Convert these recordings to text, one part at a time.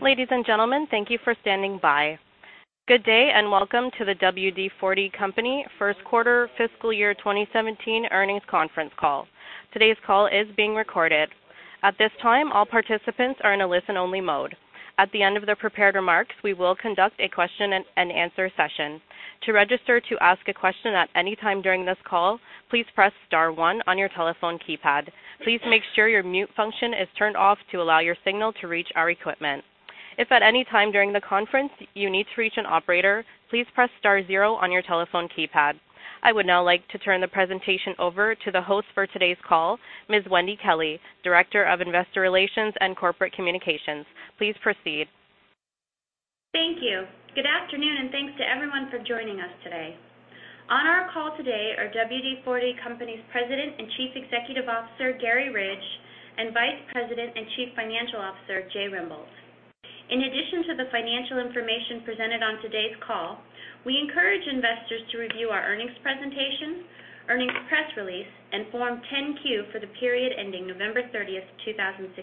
Ladies and gentlemen, thank you for standing by. Good day, and welcome to the WD-40 Company first quarter fiscal year 2017 earnings conference call. Today's call is being recorded. At this time, all participants are in a listen-only mode. At the end of the prepared remarks, we will conduct a question-and-answer session. To register to ask a question at any time during this call, please press star one on your telephone keypad. Please make sure your mute function is turned off to allow your signal to reach our equipment. If at any time during the conference you need to reach an operator, please press star zero on your telephone keypad. I would now like to turn the presentation over to the host for today's call, Ms. Wendy Kelley, Director of Investor Relations and Corporate Communications. Please proceed. Thank you. Good afternoon, and thanks to everyone for joining us today. On our call today are WD-40 Company's President and Chief Executive Officer, Garry Ridge, and Vice President and Chief Financial Officer, Jay Rembolt. In addition to the financial information presented on today's call, we encourage investors to review our earnings presentation, earnings press release, and Form 10-Q for the period ending November 30th, 2016.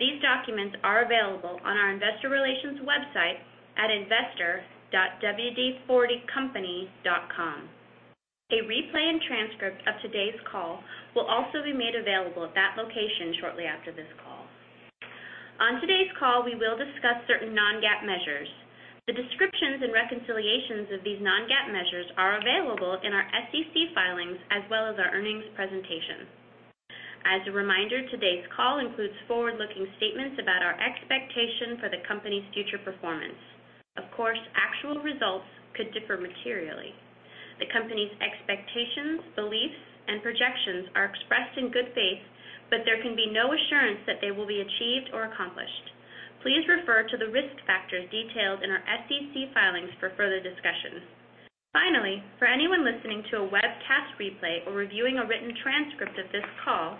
These documents are available on our investor relations website at investor.wd40company.com. A replay and transcript of today's call will also be made available at that location shortly after this call. On today's call, we will discuss certain non-GAAP measures. The descriptions and reconciliations of these non-GAAP measures are available in our SEC filings as well as our earnings presentation. As a reminder, today's call includes forward-looking statements about our expectation for the company's future performance. Of course, actual results could differ materially. The company's expectations, beliefs, and projections are expressed in good faith, but there can be no assurance that they will be achieved or accomplished. Please refer to the risk factors detailed in our SEC filings for further discussion. Finally, for anyone listening to a webcast replay or reviewing a written transcript of this call,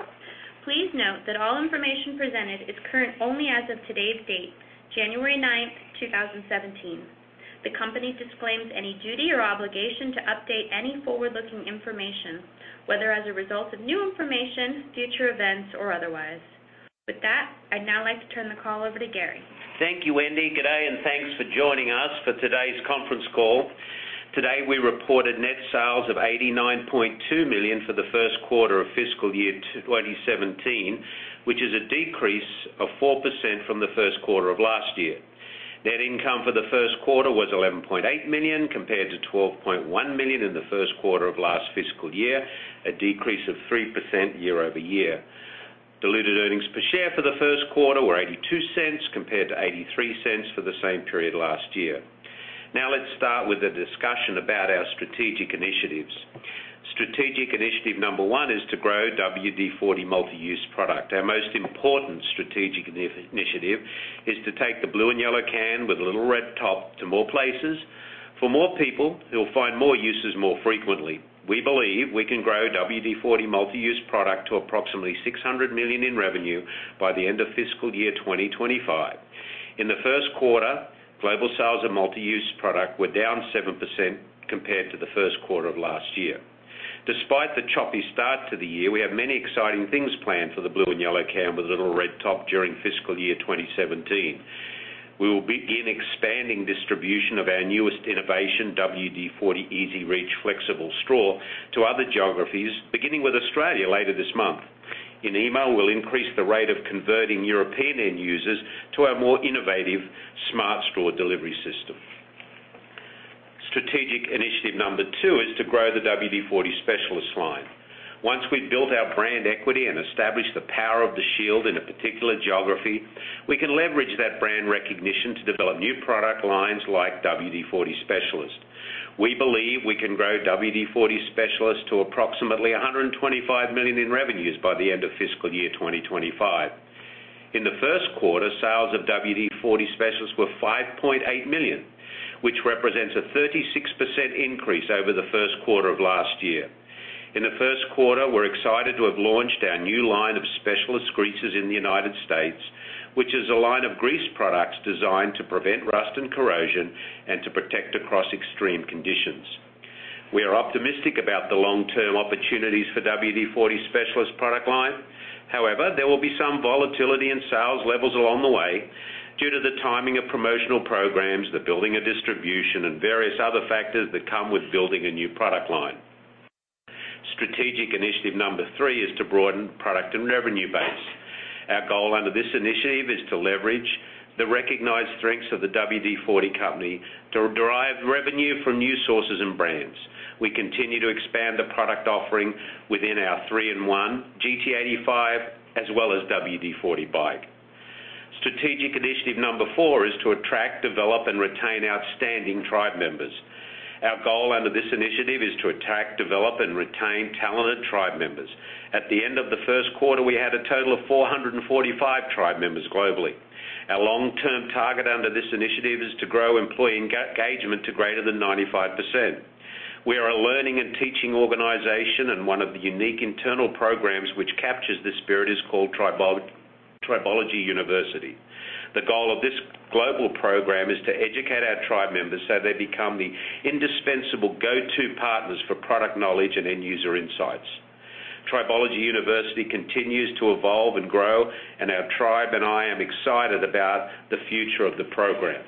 please note that all information presented is current only as of today's date, January 9th, 2017. The company disclaims any duty or obligation to update any forward-looking information, whether as a result of new information, future events, or otherwise. With that, I'd now like to turn the call over to Garry. Thank you, Wendy. Good day, and thanks for joining us for today's conference call. Today, we reported net sales of $89.2 million for the first quarter of fiscal year 2017, which is a decrease of 4% from the first quarter of last year. Net income for the first quarter was $11.8 million compared to $12.1 million in the first quarter of last fiscal year, a decrease of 3% year-over-year. Diluted earnings per share for the first quarter were $0.82 compared to $0.83 for the same period last year. Now let's start with a discussion about our strategic initiatives. Strategic initiative number one is to grow WD-40 Multi-Use Product. Our most important strategic initiative is to take the blue and yellow can with a little red top to more places for more people who will find more uses more frequently. We believe we can grow WD-40 Multi-Use Product to approximately $600 million in revenue by the end of fiscal year 2025. In the first quarter, global sales of Multi-Use Product were down 7% compared to the first quarter of last year. Despite the choppy start to the year, we have many exciting things planned for the blue and yellow can with a little red top during fiscal year 2017. We will begin expanding distribution of our newest innovation, WD-40 EZ-REACH Flexible Straw, to other geographies, beginning with Australia later this month. In EMEA, we'll increase the rate of converting European end users to our more innovative Smart Straw delivery system. Strategic initiative number 2 is to grow the WD-40 Specialist line. Once we've built our brand equity and established the power of the shield in a particular geography, we can leverage that brand recognition to develop new product lines like WD-40 Specialist. We believe we can grow WD-40 Specialist to approximately $125 million in revenues by the end of fiscal year 2025. In the first quarter, sales of WD-40 Specialist were $5.8 million, which represents a 36% increase over the first quarter of last year. In the first quarter, we're excited to have launched our new line of Specialist greases in the United States, which is a line of grease products designed to prevent rust and corrosion and to protect across extreme conditions. We are optimistic about the long-term opportunities for WD-40 Specialist product line. However, there will be some volatility in sales levels along the way due to the timing of promotional programs, the building of distribution, and various other factors that come with building a new product line. Strategic initiative number 3 is to broaden product and revenue base. Our goal under this initiative is to leverage the recognized strengths of the WD-40 Company to derive revenue from new sources and brands. We continue to expand the product offering within our 3-IN-ONE, GT85, as well as WD-40 BIKE. Strategic initiative number 4 is to attract, develop, and retain outstanding tribe members. Our goal under this initiative is to attract, develop, and retain talented tribe members. At the end of the first quarter, we had a total of 445 tribe members globally. Our long-term target under this initiative is to grow employee engagement to greater than 95%. We are a learning and teaching organization, and one of the unique internal programs which captures this spirit is called Tribology University. The goal of this global program is to educate our tribe members so they become the indispensable go-to partners for product knowledge and end-user insights. Tribology University continues to evolve and grow, and our tribe and I are excited about the future of the program.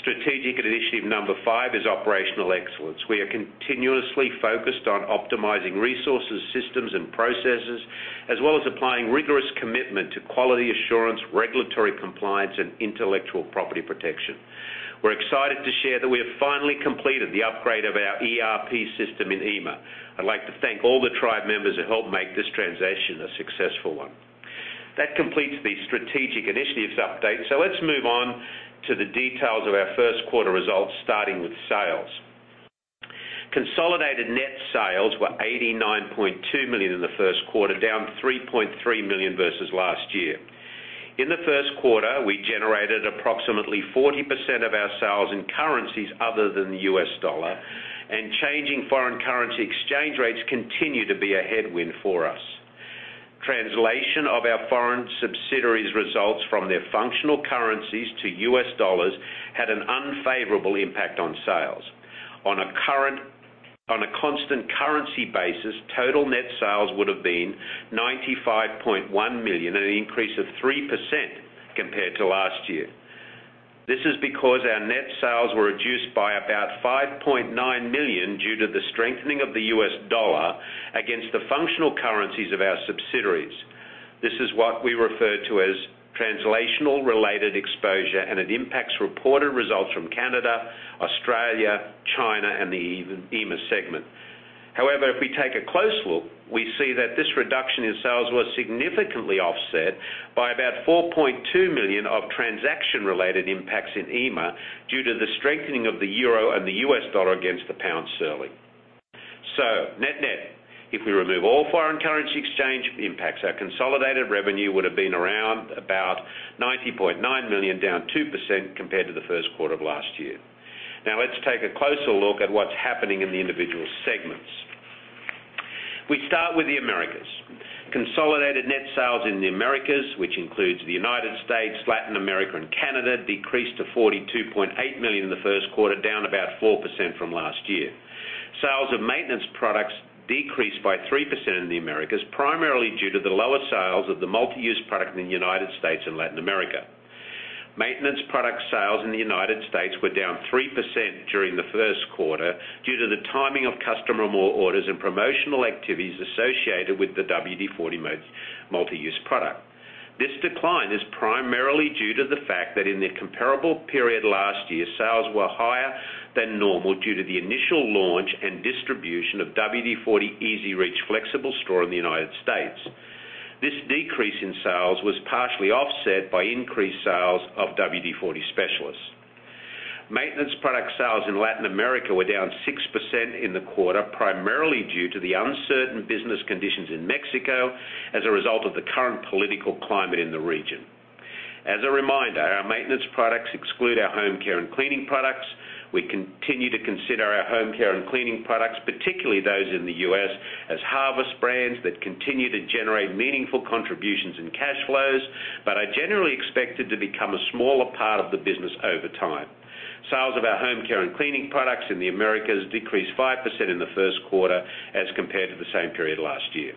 Strategic initiative number 5 is operational excellence. We are continuously focused on optimizing resources, systems, and processes, as well as applying rigorous commitment to quality assurance, regulatory compliance, and intellectual property protection. We're excited to share that we have finally completed the upgrade of our ERP system in EMEA. I'd like to thank all the tribe members who helped make this transition a successful one. That completes the strategic initiatives update. Let's move on to the details of our first quarter results, starting with sales. Consolidated net sales were $89.2 million in the first quarter, down $3.3 million versus last year. In the first quarter, we generated approximately 40% of our sales in currencies other than the U.S. dollar, and changing foreign currency exchange rates continue to be a headwind for us. Translation of our foreign subsidiaries results from their functional currencies to U.S. dollars had an unfavorable impact on sales. On a constant currency basis, total net sales would have been $95.1 million, an increase of 3% compared to last year. This is because our net sales were reduced by about $5.9 million due to the strengthening of the U.S. dollar against the functional currencies of our subsidiaries. This is what we refer to as translational-related exposure, and it impacts reported results from Canada, Australia, China, and the EMEA segment. If we take a close look, we see that this reduction in sales was significantly offset by about $4.2 million of transaction-related impacts in EMEA due to the strengthening of the euro and the U.S. dollar against the GBP. Net-net, if we remove all foreign currency exchange impacts, our consolidated revenue would have been around about $90.9 million, down 2% compared to the first quarter of last year. Let's take a closer look at what's happening in the individual segments. We start with the Americas. Consolidated net sales in the Americas, which includes the U.S., Latin America, and Canada, decreased to $42.8 million in the first quarter, down about 4% from last year. Sales of maintenance products decreased by 3% in the Americas, primarily due to the lower sales of the WD-40 Multi-Use Product in the U.S. and Latin America. Maintenance product sales in the U.S. were down 3% during the first quarter due to the timing of customer orders and promotional activities associated with the WD-40 Multi-Use Product. This decline is primarily due to the fact that in the comparable period last year, sales were higher than normal due to the initial launch and distribution of WD-40 EZ-REACH Flexible Straw in the U.S. This decrease in sales was partially offset by increased sales of WD-40 Specialist. Maintenance product sales in Latin America were down 6% in the quarter, primarily due to the uncertain business conditions in Mexico as a result of the current political climate in the region. As a reminder, our maintenance products exclude our home care and cleaning products. We continue to consider our home care and cleaning products, particularly those in the U.S., as harvest brands that continue to generate meaningful contributions in cash flows, but are generally expected to become a smaller part of the business over time. Sales of our home care and cleaning products in the Americas decreased 5% in the first quarter as compared to the same period last year.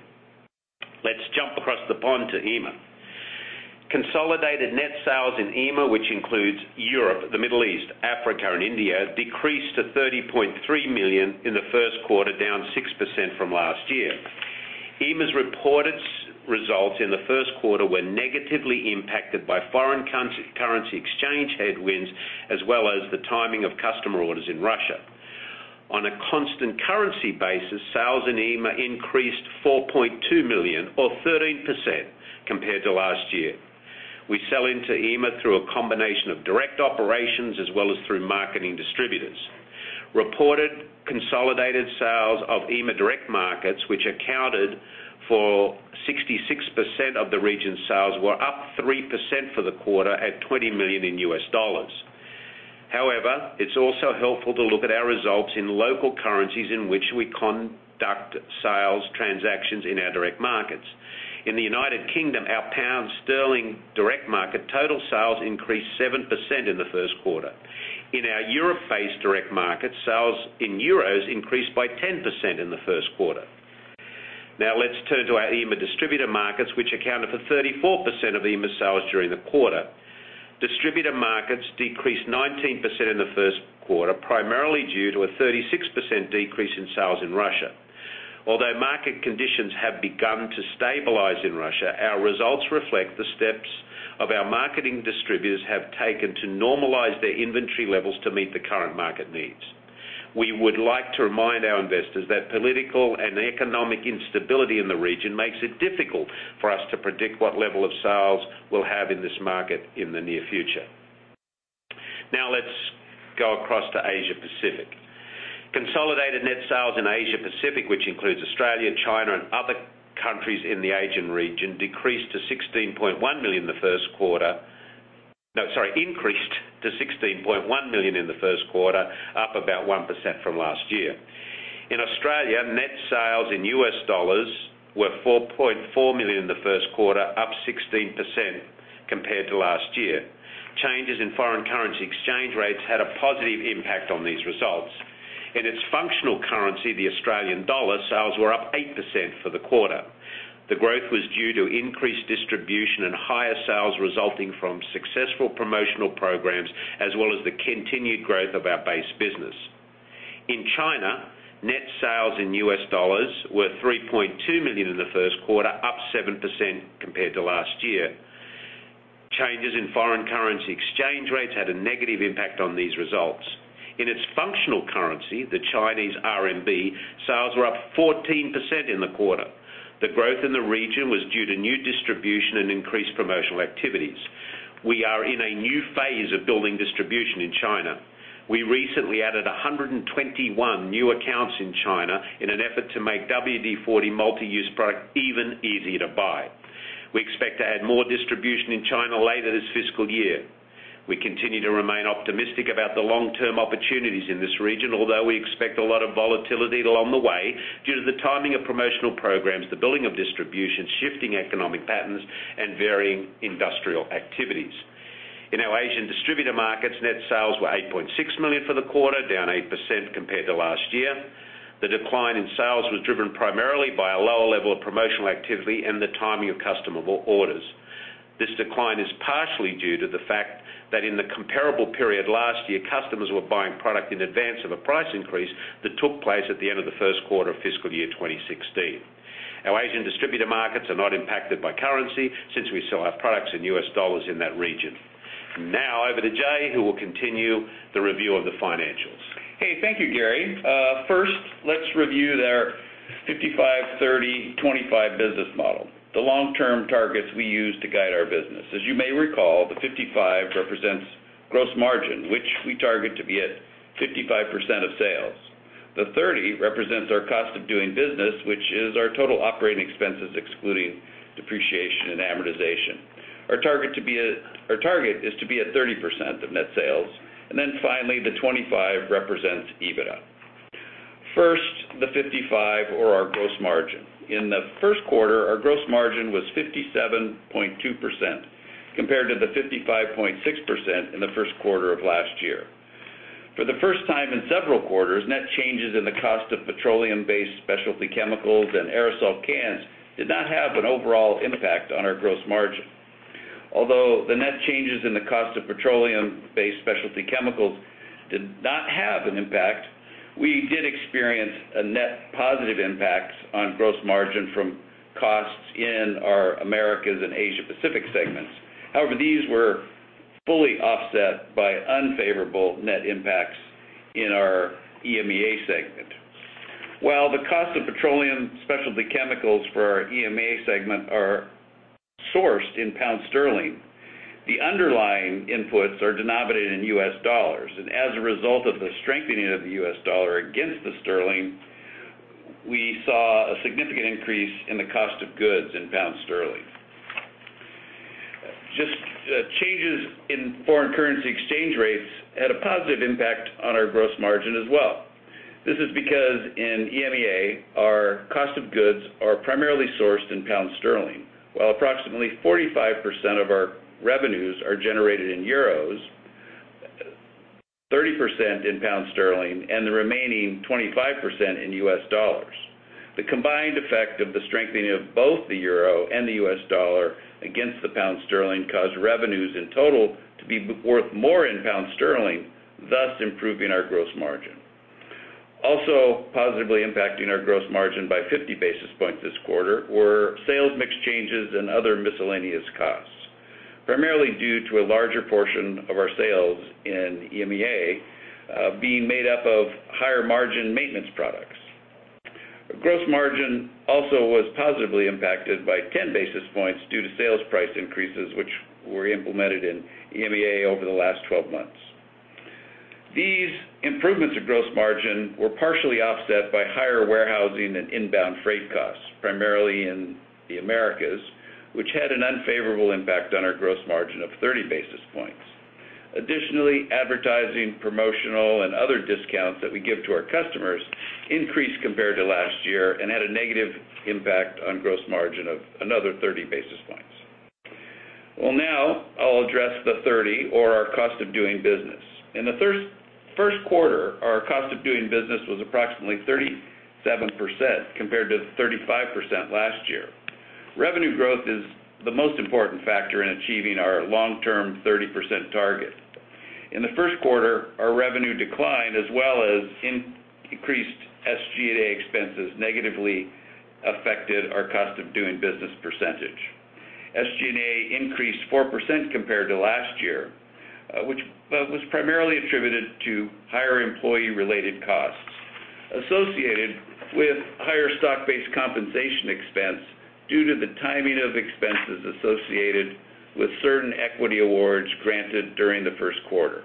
Let's jump across the pond to EMEA. Consolidated net sales in EMEA, which includes Europe, the Middle East, Africa, and India, decreased to $30.3 million in the first quarter, down 6% from last year. EMEA's reported results in the first quarter were negatively impacted by foreign currency exchange headwinds, as well as the timing of customer orders in Russia. On a constant currency basis, sales in EMEA increased $4.2 million or 13% compared to last year. We sell into EMEA through a combination of direct operations as well as through marketing distributors. Reported consolidated sales of EMEA direct markets, which accounted for 66% of the region's sales, were up 3% for the quarter at $20 million in US dollars. It's also helpful to look at our results in local currencies in which we conduct sales transactions in our direct markets. In the U.K., our GBP direct market total sales increased 7% in the first quarter. In our Europe-based direct market, sales in EUR increased by 10% in the first quarter. Let's turn to our EMEA distributor markets, which accounted for 34% of EMEA sales during the quarter. Distributor markets decreased 19% in the first quarter, primarily due to a 36% decrease in sales in Russia. Although market conditions have begun to stabilize in Russia, our results reflect the steps our marketing distributors have taken to normalize their inventory levels to meet the current market needs. We would like to remind our investors that political and economic instability in the region makes it difficult for us to predict what level of sales we'll have in this market in the near future. Let's go across to Asia Pacific. Consolidated net sales in Asia Pacific, which includes Australia, China, and other countries in the Asian region, increased to $16.1 million in the first quarter, up about 1% from last year. In Australia, net sales in US dollars were $4.4 million in the first quarter, up 16% compared to last year. Changes in foreign currency exchange rates had a positive impact on these results. In its functional currency, the AUD, sales were up 8% for the quarter. The growth was due to increased distribution and higher sales resulting from successful promotional programs, as well as the continued growth of our base business. In China, net sales in US dollars were $3.2 million in the first quarter, up 7% compared to last year. Changes in foreign currency exchange rates had a negative impact on these results. In its functional currency, the RMB, sales were up 14% in the quarter. The growth in the region was due to new distribution and increased promotional activities. We are in a new phase of building distribution in China. We recently added 121 new accounts in China in an effort to make WD-40 Multi-Use Product even easier to buy. We expect to add more distribution in China later this fiscal year. We continue to remain optimistic about the long-term opportunities in this region, although we expect a lot of volatility along the way due to the timing of promotional programs, the building of distribution, shifting economic patterns, and varying industrial activities. In our Asian distributor markets, net sales were $8.6 million for the quarter, down 8% compared to last year. The decline in sales was driven primarily by a lower level of promotional activity and the timing of customer orders. This decline is partially due to the fact that in the comparable period last year, customers were buying product in advance of a price increase that took place at the end of the first quarter of fiscal year 2016. Our Asian distributor markets are not impacted by currency since we sell our products in US dollars in that region. Over to Jay, who will continue the review of the financials. Hey, thank you, Garry. First, let's review their 55/30/25 business model, the long-term targets we use to guide our business. As you may recall, the 55 represents gross margin, which we target to be at 55% of sales. The 30 represents our cost of doing business, which is our total operating expenses, excluding depreciation and amortization. Our target is to be at 30% of net sales. Finally, the 25 represents EBITDA. First, the 55, or our gross margin. In the first quarter, our gross margin was 57.2% compared to the 55.6% in the first quarter of last year. For the first time in several quarters, net changes in the cost of petroleum-based specialty chemicals and aerosol cans did not have an overall impact on our gross margin. Although the net changes in the cost of petroleum-based specialty chemicals did not have an impact, we did experience a net positive impact on gross margin from costs in our Americas and Asia Pacific segments. However, these were fully offset by unfavorable net impacts in our EMEA segment. While the cost of petroleum specialty chemicals for our EMEA segment are sourced in pound sterling, the underlying inputs are denominated in U.S. dollars, and as a result of the strengthening of the U.S. dollar against the sterling, we saw a significant increase in the cost of goods in pound sterling. Just changes in foreign currency exchange rates had a positive impact on our gross margin as well. This is because in EMEA, our cost of goods are primarily sourced in pound sterling, while approximately 45% of our revenues are generated in euros, 30% in pound sterling, and the remaining 25% in U.S. dollars. The combined effect of the strengthening of both the euro and the U.S. dollar against the pound sterling caused revenues in total to be worth more in pound sterling, thus improving our gross margin. Also positively impacting our gross margin by 50 basis points this quarter were sales mix changes and other miscellaneous costs, primarily due to a larger portion of our sales in EMEA being made up of higher-margin maintenance products. Gross margin also was positively impacted by 10 basis points due to sales price increases, which were implemented in EMEA over the last 12 months. These improvements of gross margin were partially offset by higher warehousing and inbound freight costs, primarily in the Americas, which had an unfavorable impact on our gross margin of 30 basis points. Additionally, advertising, promotional, and other discounts that we give to our customers increased compared to last year and had a negative impact on gross margin of another 30 basis points. Now I'll address the 30, or our cost of doing business. In the first quarter, our cost of doing business was approximately 37% compared to 35% last year. Revenue growth is the most important factor in achieving our long-term 30% target. In the first quarter, our revenue declined as well as increased SG&A expenses negatively affected our cost of doing business percentage. SG&A increased 4% compared to last year, which was primarily attributed to higher employee-related costs associated with higher stock-based compensation expense due to the timing of expenses associated with certain equity awards granted during the first quarter.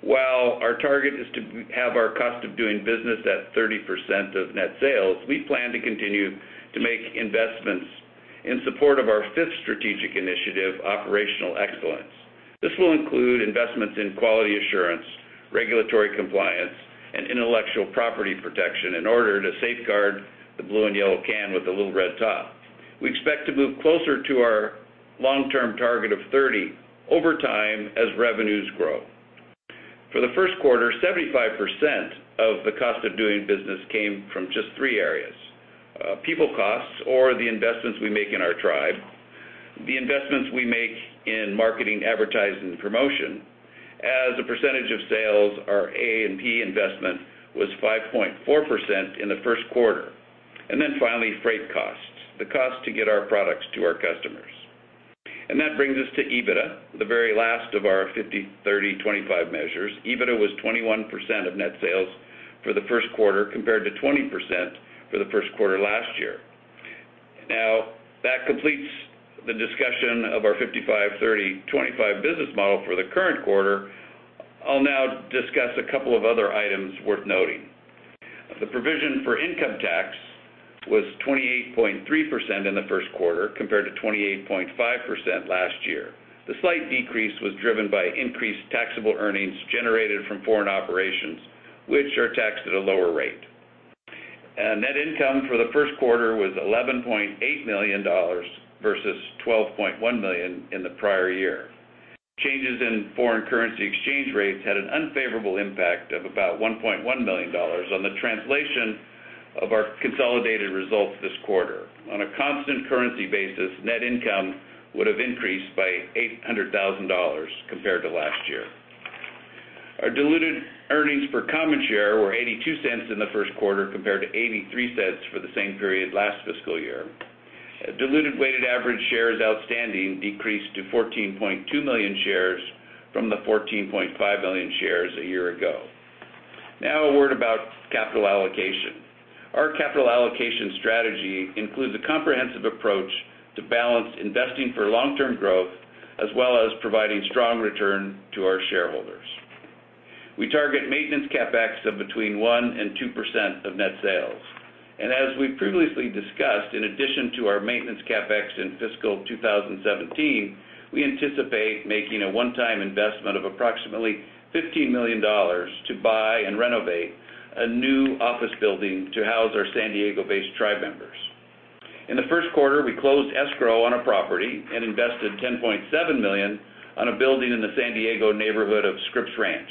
While our target is to have our cost of doing business at 30% of net sales, we plan to continue to make investments in support of our fifth strategic initiative, operational excellence. This will include investments in quality assurance, regulatory compliance, and intellectual property protection in order to safeguard the blue and yellow can with the little red top. We expect to move closer to our long-term target of 30% over time as revenues grow. For the first quarter, 75% of the cost of doing business came from just three areas. People costs or the investments we make in our tribe, the investments we make in marketing, advertising, and promotion. As a percentage of sales, our A&P investment was 5.4% in the first quarter. Then finally, freight costs, the cost to get our products to our customers. That brings us to EBITDA, the very last of our 55/30/25 measures. EBITDA was 21% of net sales for the first quarter, compared to 20% for the first quarter last year. That completes the discussion of our 55-30-25 business model for the current quarter. I'll now discuss a couple of other items worth noting. The provision for income tax was 28.3% in the first quarter, compared to 28.5% last year. The slight decrease was driven by increased taxable earnings generated from foreign operations, which are taxed at a lower rate. Net income for the first quarter was $11.8 million versus $12.1 million in the prior year. Changes in foreign currency exchange rates had an unfavorable impact of about $1.1 million on the translation of our consolidated results this quarter. On a constant currency basis, net income would have increased by $800,000 compared to last year. Our diluted earnings per common share were $0.82 in the first quarter, compared to $0.83 for the same period last fiscal year. Diluted weighted average shares outstanding decreased to 14.2 million shares from the 14.5 million shares a year ago. A word about capital allocation. Our capital allocation strategy includes a comprehensive approach to balance investing for long-term growth, as well as providing strong return to our shareholders. We target maintenance CapEx of between 1% and 2% of net sales. As we previously discussed, in addition to our maintenance CapEx in fiscal 2017, we anticipate making a one-time investment of approximately $15 million to buy and renovate a new office building to house our San Diego-based tribe members. In the first quarter, we closed escrow on a property and invested $10.7 million on a building in the San Diego neighborhood of Scripps Ranch.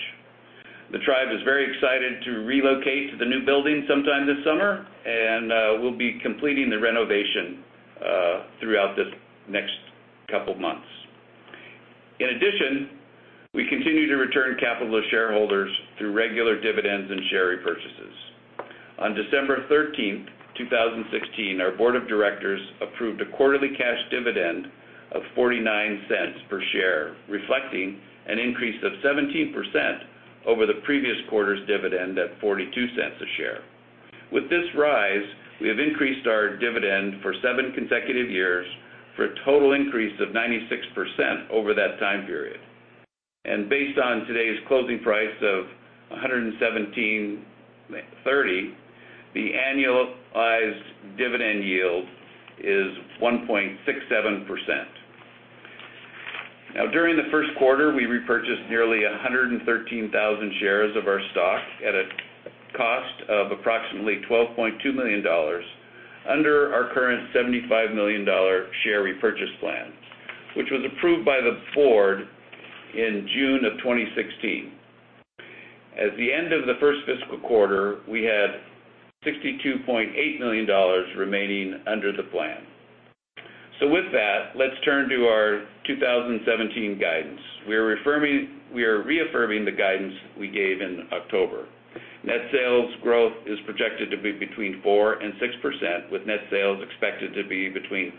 The tribe is very excited to relocate to the new building sometime this summer, and we'll be completing the renovation throughout the next couple of months. In addition, we continue to return capital to shareholders through regular dividends and share repurchases. On December 13th, 2016, our board of directors approved a quarterly cash dividend of $0.49 per share, reflecting an increase of 17% over the previous quarter's dividend at $0.42 a share. With this rise, we have increased our dividend for seven consecutive years for a total increase of 96% over that time period. Based on today's closing price of $117.30, the annualized dividend yield is 1.67%. During the first quarter, we repurchased nearly 113,000 shares of our stock at a cost of approximately $12.2 million under our current $75 million share repurchase plan, which was approved by the board in June of 2016. At the end of the first fiscal quarter, we had $62.8 million remaining under the plan. With that, let's turn to our 2017 guidance. We are reaffirming the guidance we gave in October. Net sales growth is projected to be between 4% and 6%, with net sales expected to be between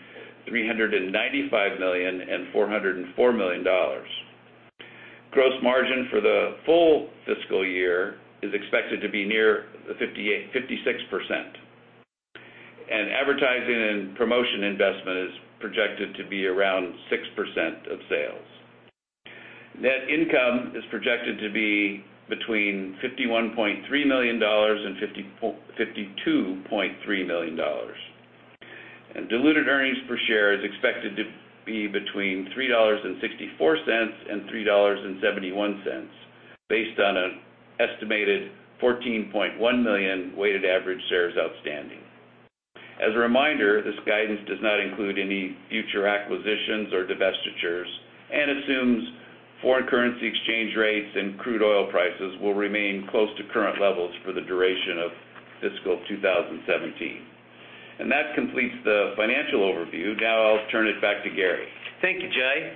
$395 million and $404 million. Gross margin for the full fiscal year is expected to be near 56%. Advertising and promotion investment is projected to be around 6% of sales. Net income is projected to be between $51.3 million and $52.3 million. Diluted earnings per share is expected to be between $3.64 and $3.71, based on an estimated 14.1 million weighted average shares outstanding. As a reminder, this guidance does not include any future acquisitions or divestitures and assumes foreign currency exchange rates and crude oil prices will remain close to current levels for the duration of fiscal 2017. That completes the financial overview. I'll turn it back to Garry. Thank you, Jay.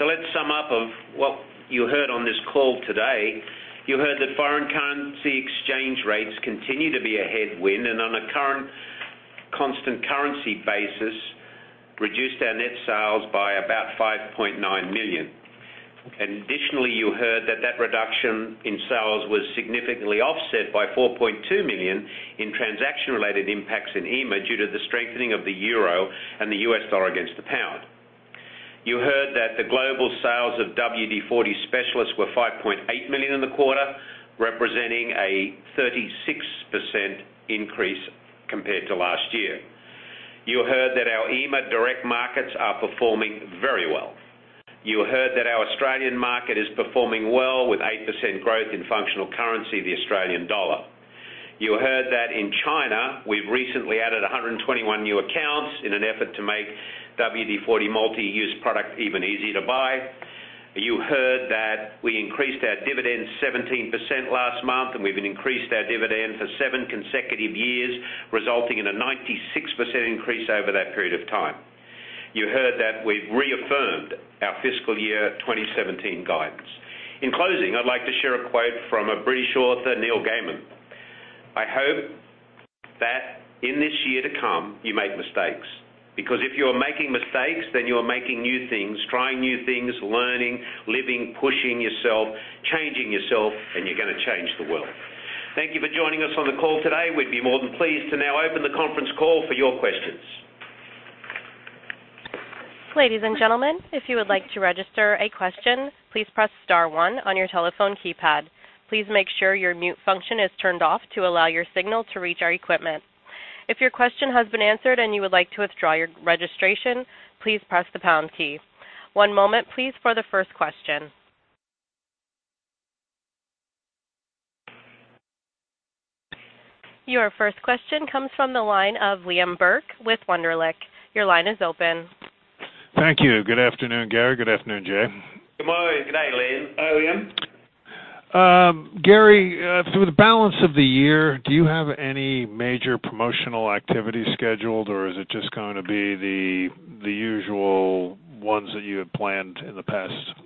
Let's sum up of what you heard on this call today. You heard that foreign currency exchange rates continue to be a headwind, and on a current constant currency basis, reduced our net sales by about $5.9 million. Additionally, you heard that that reduction in sales was significantly offset by $4.2 million in transaction-related impacts in EMEA due to the strengthening of the euro and the US dollar against the pound. You heard that the global sales of WD-40 Specialist were $5.8 million in the quarter, representing a 36% increase compared to last year. You heard that our EMEA direct markets are performing very well. You heard that our Australian market is performing well with 8% growth in functional currency, the Australian dollar. You heard that in China, we've recently added 121 new accounts in an effort to make WD-40 Multi-Use Product even easier to buy. You heard that we increased our dividend 17% last month, and we've increased our dividend for seven consecutive years, resulting in a 96% increase over that period of time. You heard that we've reaffirmed our fiscal year 2017 guidance. In closing, I'd like to share a quote from a British author, Neil Gaiman: "I hope that in this year to come, you make mistakes. If you are making mistakes, then you are making new things, trying new things, learning, living, pushing yourself, changing yourself, and you're going to change the world." Thank you for joining us on the call today. We'd be more than pleased to now open the conference call for your questions. Ladies and gentlemen, if you would like to register a question, please press star one on your telephone keypad. Please make sure your mute function is turned off to allow your signal to reach our equipment. If your question has been answered and you would like to withdraw your registration, please press the pound key. One moment please for the first question. Your first question comes from the line of Liam Burke with Wunderlich. Your line is open. Thank you. Good afternoon, Garry. Good afternoon, Jay. Good morning. Good day, Liam. How are you, Liam? Garry, through the balance of the year, do you have any major promotional activities scheduled, or is it just going to be the usual ones that you had planned in the past?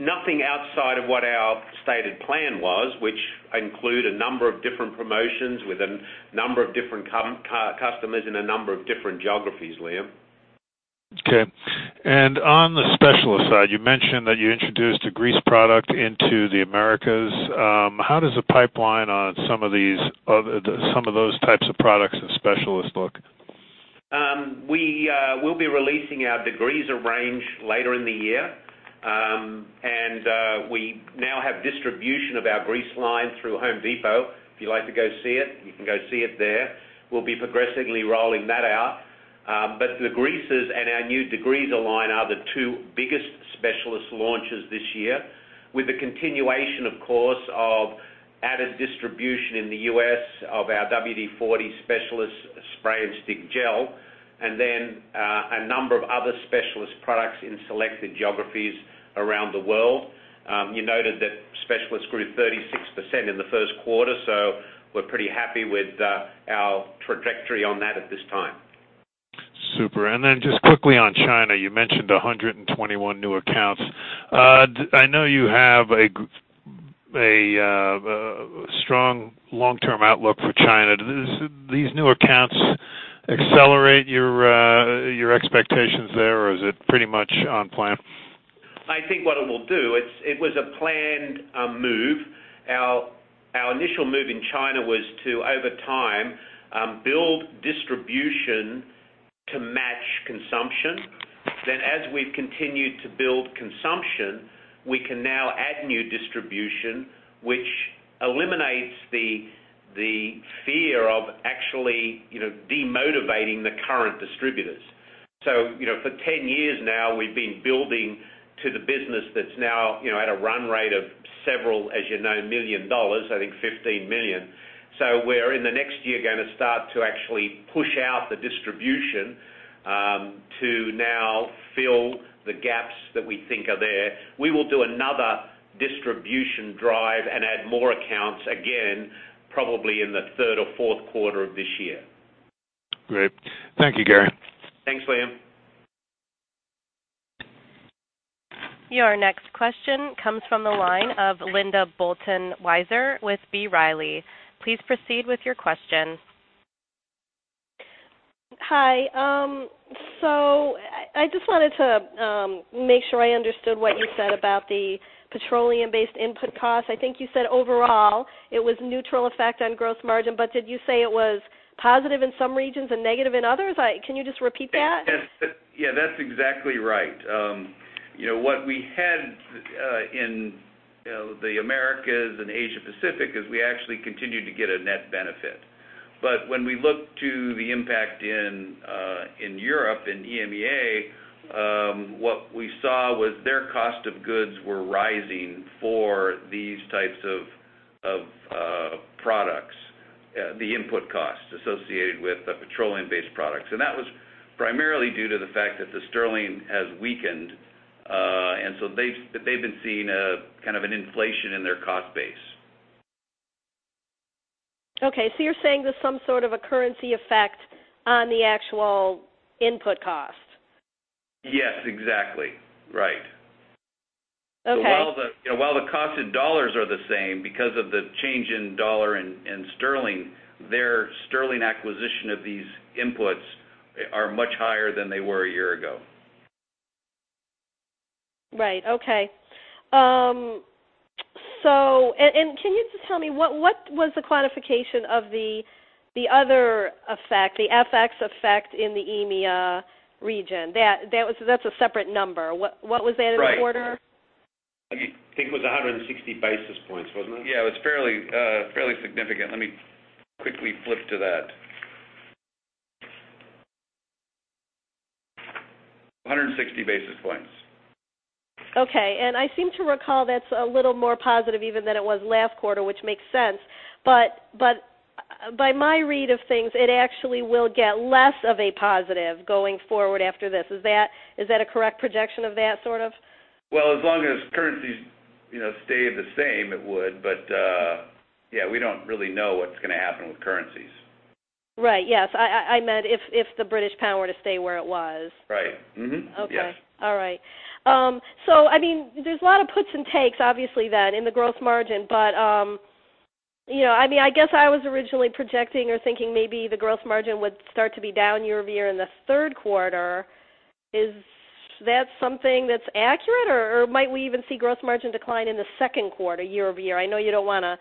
Nothing outside of what our stated plan was, which include a number of different promotions with a number of different customers in a number of different geographies, Liam. Okay. On the Specialist side, you mentioned that you introduced a grease product into the Americas. How does the pipeline on some of those types of products of Specialist look? We'll be releasing our degreaser range later in the year. We now have distribution of our grease line through Home Depot. If you'd like to go see it, you can go see it there. We'll be progressively rolling that out. The greases and our new degreaser line are the two biggest Specialist launches this year, with the continuation, of course, of added distribution in the U.S. of our WD-40 Specialist Spray & Stay Gel Lubricant, then a number of other Specialist products in selected geographies around the world. You noted that Specialist grew 36% in the first quarter, we're pretty happy with our trajectory on that at this time. Super. Just quickly on China, you mentioned 121 new accounts. I know you have a strong long-term outlook for China. Do these new accounts accelerate your expectations there, or is it pretty much on plan? I think what it will do, it was a planned move. Our initial move in China was to, over time, build distribution to match consumption. As we've continued to build consumption, we can now add new distribution, which eliminates the fear of actually demotivating the current distributors. For 10 years now, we've been building to the business that's now at a run rate of several, as you know, RMB million, I think 15 million. We're, in the next year, going to start to actually push out the distribution to now fill the gaps that we think are there. We will do another distribution drive and add more accounts again, probably in the third or fourth quarter of this year. Great. Thank you, Garry. Thanks, Liam. Your next question comes from the line of Linda Bolton Weiser with B. Riley. Please proceed with your question. Hi. I just wanted to make sure I understood what you said about the petroleum-based input costs. I think you said overall, it was neutral effect on gross margin, but did you say it was positive in some regions and negative in others? Can you just repeat that? Yeah, that's exactly right. What we had in the Americas and Asia Pacific is we actually continued to get a net benefit. When we look to the impact in Europe, in EMEA, what we saw was their cost of goods were rising for these types of products, the input costs associated with the petroleum-based products. That was primarily due to the fact that the sterling has weakened, and so they've been seeing an inflation in their cost base. Okay. You're saying there's some sort of a currency effect on the actual input cost? Yes, exactly. Right. Okay. While the cost in RMB are the same, because of the change in RMB and GBP, their GBP acquisition of these inputs are much higher than they were a year ago. Right. Okay. Can you just tell me, what was the quantification of the other effect, the FX effect in the EMEA region? That's a separate number. What was that in the quarter? Right. I think it was 160 basis points, wasn't it? Yeah, it was fairly significant. 50 basis points. Okay. I seem to recall that's a little more positive even than it was last quarter, which makes sense. By my read of things, it actually will get less of a positive going forward after this. Is that a correct projection of that sort of? Well, as long as currencies stay the same, it would. Yeah, we don't really know what's going to happen with currencies. Right. Yes. I meant if the British pound were to stay where it was. Right. Mm-hmm. Okay. Yes. All right. There's a lot of puts and takes, obviously then, in the gross margin. I guess I was originally projecting or thinking maybe the gross margin would start to be down year-over-year in the third quarter. Is that something that's accurate, or might we even see gross margin decline in the second quarter, year-over-year? I know you don't want to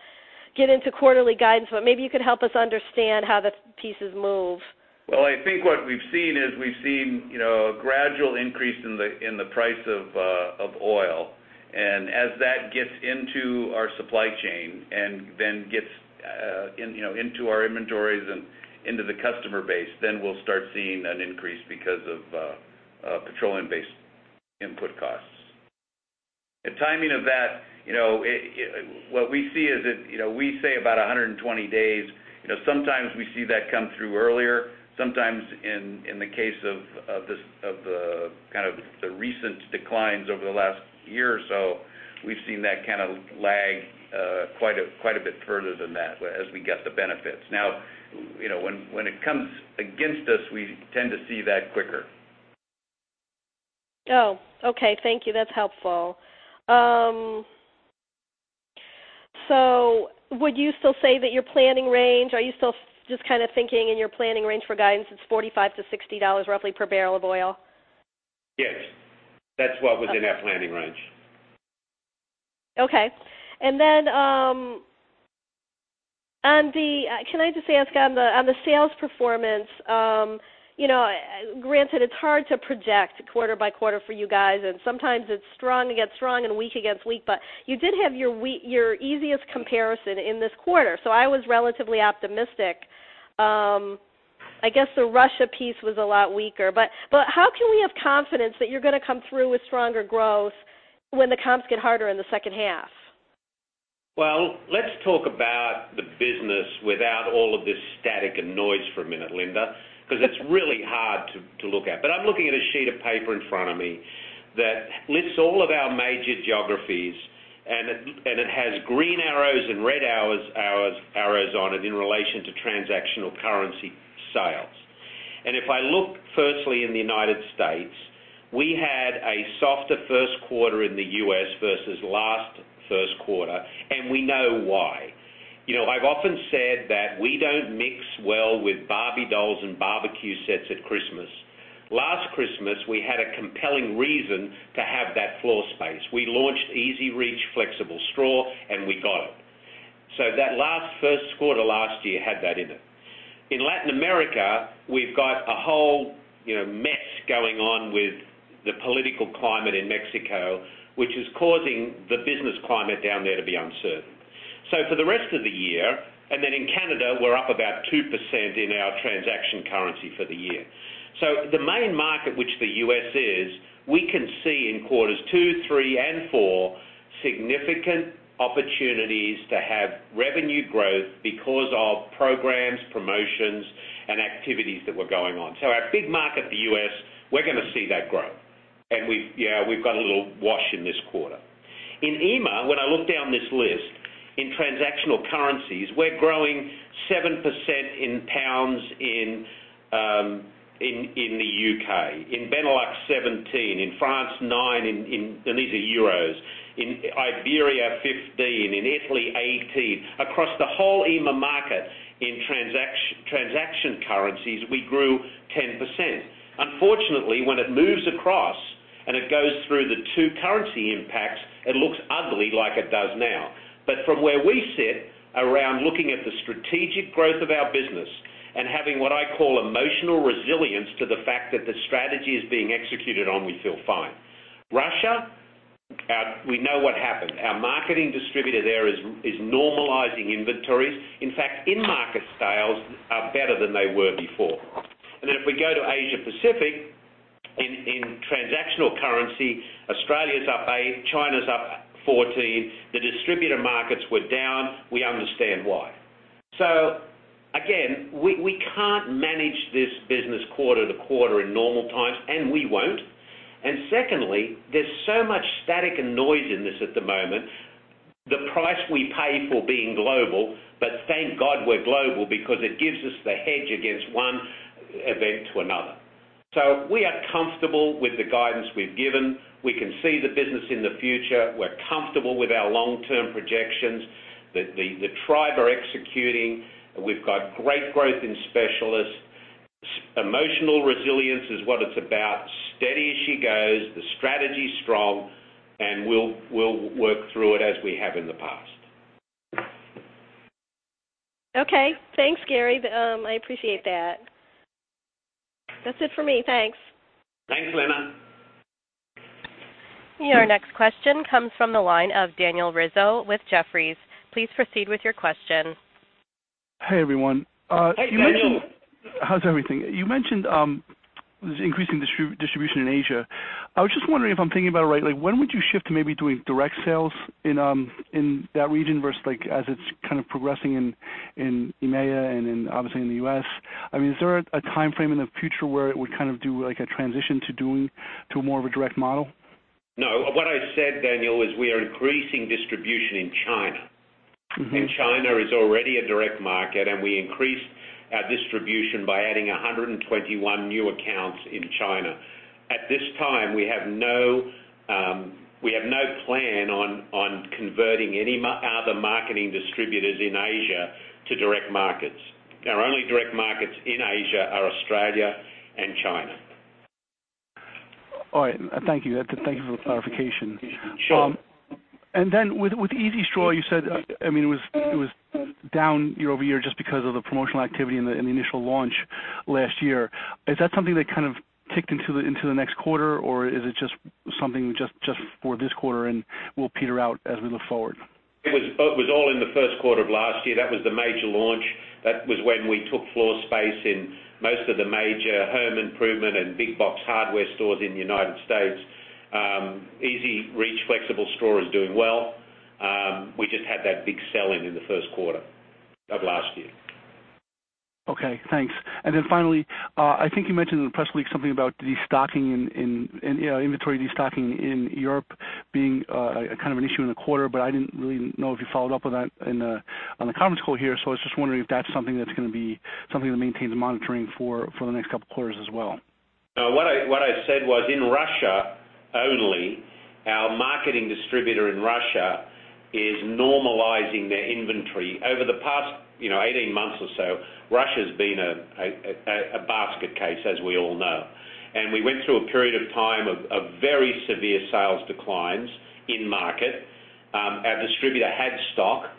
get into quarterly guidance, but maybe you could help us understand how the pieces move. Well, I think what we've seen is we've seen a gradual increase in the price of oil. As that gets into our supply chain and gets into our inventories and into the customer base, we'll start seeing an increase because of petroleum-based input costs. The timing of that, what we see is, we say about 120 days. Sometimes we see that come through earlier. Sometimes in the case of the recent declines over the last year or so, we've seen that kind of lag quite a bit further than that as we get the benefits. When it comes against us, we tend to see that quicker. Oh, okay. Thank you. That's helpful. Would you still say that your planning range, are you still just kind of thinking in your planning range for guidance, it's $45-$60 roughly per barrel of oil? Yes. That's what was in our planning range. Can I just ask on the sales performance, granted it's hard to project quarter-by-quarter for you guys, and sometimes it's strong against strong and weak against weak, but you did have your easiest comparison in this quarter, I was relatively optimistic. I guess the Russia piece was a lot weaker, but how can we have confidence that you're going to come through with stronger growth when the comps get harder in the second half? Let's talk about the business without all of this static and noise for a minute, Linda, because it's really hard to look at. I'm looking at a sheet of paper in front of me that lists all of our major geographies and it has green arrows and red arrows on it in relation to transactional currency sales. If I look firstly in the U.S., we had a softer first quarter in the U.S. versus last first quarter, and we know why. I've often said that we don't mix well with Barbie dolls and barbecue sets at Christmas. Last Christmas, we had a compelling reason to have that floor space. We launched EZ-REACH Flexible Straw, and we got it. That last first quarter last year had that in it. In Latin America, we've got a whole mess going on with the political climate in Mexico, which is causing the business climate down there to be uncertain. For the rest of the year, and then in Canada, we're up about 2% in our transaction currency for the year. The main market, which the U.S. is, we can see in quarters two, three, and four, significant opportunities to have revenue growth because of programs, promotions, and activities that were going on. Our big market, the U.S., we're going to see that grow. We've got a little wash in this quarter. In EMEA, when I look down this list, in transactional currencies, we're growing 7% in GBP in the U.K., in Benelux 17%, in France 9%, and these are EUR. In Iberia 15%, in Italy 18%. Across the whole EMEA market in transaction currencies, we grew 10%. Unfortunately, when it moves across and it goes through the two currency impacts, it looks ugly like it does now. From where we sit around looking at the strategic growth of our business and having what I call emotional resilience to the fact that the strategy is being executed on, we feel fine. Russia, we know what happened. Our marketing distributor there is normalizing inventories. In fact, in-market sales are better than they were before. If we go to Asia-Pacific, in transactional currency, Australia's up 8%, China's up 14%. The distributor markets were down, we understand why. Again, we can't manage this business quarter to quarter in normal times, and we won't. Secondly, there's so much static and noise in this at the moment. The price we pay for being global, but thank God we're global because it gives us the hedge against one event to another. We are comfortable with the guidance we've given. We can see the business in the future. We're comfortable with our long-term projections. The tribe are executing. We've got great growth in Specialists. Emotional resilience is what it's about. Steady as she goes. The strategy's strong, and we'll work through it as we have in the past. Okay. Thanks, Garry. I appreciate that. That's it for me. Thanks. Thanks, Linda. Your next question comes from the line of Daniel Rizzo with Jefferies. Please proceed with your question. Hey, everyone. Hey, Daniel. How's everything? You mentioned there's increasing distribution in Asia. I was just wondering if I'm thinking about it right, when would you shift to maybe doing direct sales in that region versus as it's kind of progressing in EMEA and obviously in the U.S.? Is there a timeframe in the future where it would do a transition to doing more of a direct model? No. What I said, Daniel, is we are increasing distribution in China. China is already a direct market, and we increased our distribution by adding 121 new accounts in China. At this time, we have no plan on converting any other marketing distributors in Asia to direct markets. Our only direct markets in Asia are Australia and China. All right. Thank you for the clarification. Sure. With EZ-REACH, you said it was down year-over-year just because of the promotional activity in the initial launch last year. Is that something that kind of ticked into the next quarter, or is it just something just for this quarter and will peter out as we look forward? It was all in the first quarter of last year. That was the major launch. That was when we took floor space in most of the major home improvement and big box hardware stores in the U.S. EZ-REACH Flexible Straw is doing well. We just had that big sell-in in the first quarter of last year. Okay, thanks. Finally, I think you mentioned in the press release something about inventory de-stocking in Europe being an issue in the quarter. I didn't really know if you followed up with that on the conference call here. I was just wondering if that's something that's going to be something that maintains monitoring for the next couple of quarters as well. No. What I said was, in Russia only, our marketing distributor in Russia is normalizing their inventory. Over the past 18 months or so, Russia's been a basket case, as we all know. We went through a period of time of very severe sales declines in market. Our distributor had stock.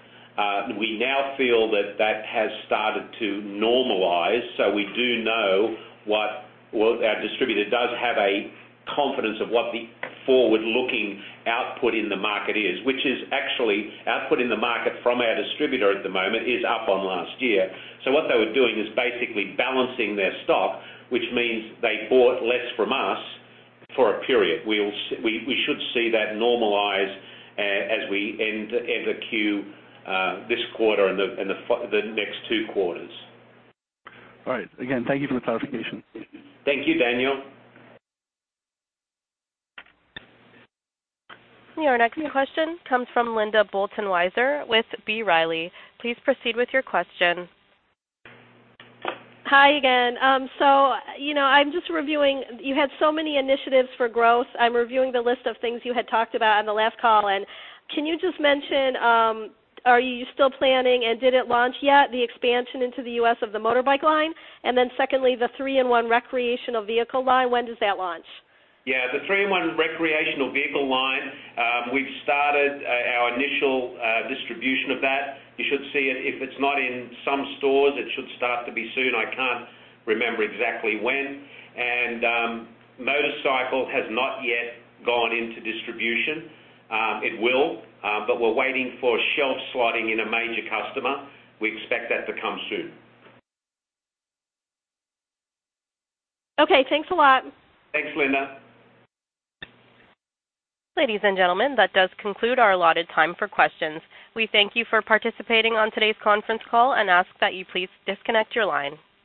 We now feel that that has started to normalize. We do know our distributor does have a confidence of what the forward-looking output in the market is, which is actually output in the market from our distributor at the moment is up on last year. What they were doing is basically balancing their stock, which means they bought less from us for a period. We should see that normalize as we end the Q this quarter and the next two quarters. All right. Again, thank you for the clarification. Thank you, Daniel. Your next question comes from Linda Bolton Weiser with B. Riley. Please proceed with your question. Hi again. I'm just reviewing. You had so many initiatives for growth. I'm reviewing the list of things you had talked about on the last call, can you just mention, are you still planning, and did it launch yet, the expansion into the U.S. of the motorbike line? Then secondly, the 3-IN-ONE recreational vehicle line, when does that launch? Yeah. The 3-IN-ONE recreational vehicle line, we've started our initial distribution of that. You should see it. If it's not in some stores, it should start to be soon. I can't remember exactly when. Motorcycle has not yet gone into distribution. It will, but we're waiting for shelf slotting in a major customer. We expect that to come soon. Okay, thanks a lot. Thanks, Linda. Ladies and gentlemen, that does conclude our allotted time for questions. We thank you for participating on today's conference call and ask that you please disconnect your line.